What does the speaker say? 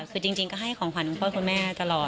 คือจริงก็ให้ของขวัญคุณพ่อคุณแม่ตลอด